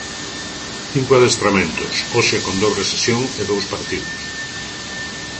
Cinco adestramentos, hoxe con dobre sesión e dous partidos.